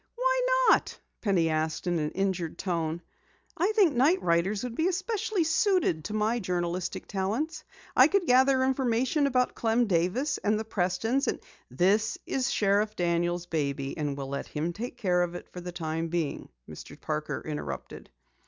"Why not?" Penny asked in an injured tone. "I think night riders would be especially suited to my journalistic talents. I could gather information about Clem Davis and the Prestons " "This is Sheriff Daniel's baby, and we'll let him take care of it for the time being," Mr. Parker interrupted.